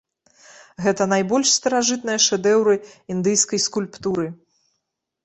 Гэта найбольш старажытныя шэдэўры індыйскай скульптуры.